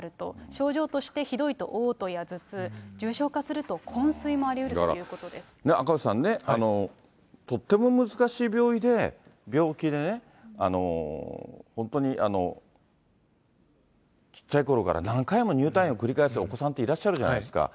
症状としてひどいとおう吐や頭痛、重症化する昏睡もありうるという赤星さんね、とっても難しい病気で、本当にちっちゃいころから何回も入退院を繰り返すお子さんっていらっしゃるじゃないですか。